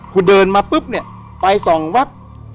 คุณเดินมาปุ๊บเนี่ยไปสองวัด